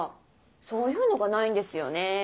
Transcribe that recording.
そういうのがないんですよねー。